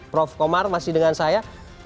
prof komar masih dengan saya